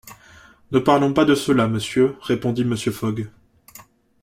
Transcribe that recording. Ne parlons pas de cela, monsieur, répondit Mr. Fogg.